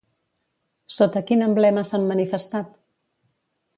Sota quin emblema s'han manifestat?